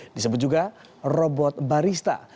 disebut juga robot barista